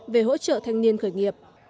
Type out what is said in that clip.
về hỗ trợ thanh niên khởi nghiệp